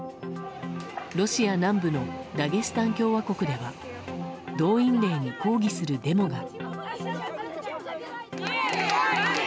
ロシア南部のダゲスタン共和国では動員令に抗議するデモが。